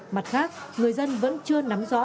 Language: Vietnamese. mặt khác người dân vẫn chưa nắm rõ